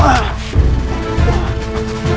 datang nisa dan puja distri